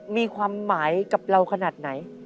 มีความหมายกับเราขนาดไหน